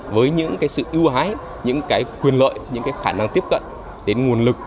với những cái sự ưu hái những cái quyền lợi những cái khả năng tiếp cận đến nguồn lực